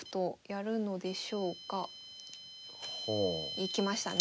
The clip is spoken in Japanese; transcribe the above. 行きましたね。